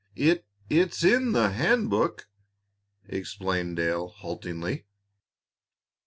"It it's in the handbook," explained Dale, haltingly.